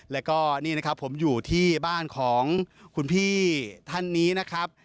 แล้วก็นี่นะครับผมอยู่ที่บ้านของคุณพี่ท่านนี้นะครับ